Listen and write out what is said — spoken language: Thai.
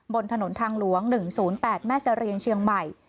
บนถนนทางหลวง๑๐๘แม่เสรียงเชียงใหม่